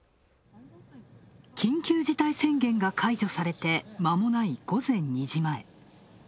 緊急事態宣言が解除されてまもない午前２時前。